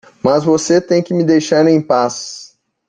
Mas você tem que me deixar em paz.